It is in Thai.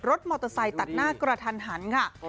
รถมอเตอร์ไซค์ตัดหน้ากระทันหันค่ะ